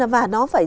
và nó phải